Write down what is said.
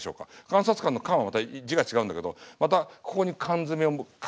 監察官の「官」はまた字が違うんだけどまたここに缶詰を挟んでるとしましょうか。